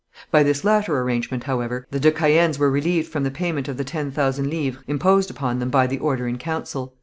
By this latter arrangement, however, the de Caëns were relieved from the payment of the ten thousand livres imposed upon them by the order in council.